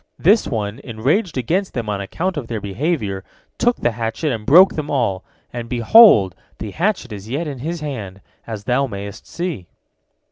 This one, enraged against them on account of their behavior, took the hatchet and broke them all, and, behold, the hatchet is yet in his hands, as thou mayest see."